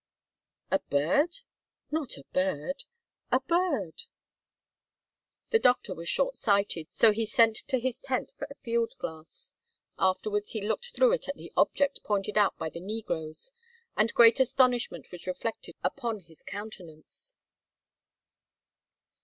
(A bird? Not a bird? A bird?) The doctor was short sighted, so he sent to his tent for a field glass; afterwards he looked through it at the object pointed out by the negroes and great astonishment was reflected upon his countenance.